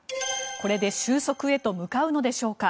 これで終息へと向かうのでしょうか。